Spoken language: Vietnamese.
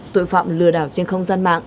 tội phạm lừa đảo trên không gian mạng